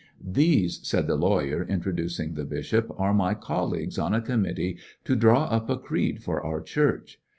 "These," said the lawyer, introducing the bishop, "are my colleagues on a committee to draw up a creed for our church.